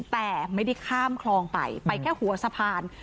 แต่ไม่ได้ข้ามคลองไปไปแค่หัวสะพาน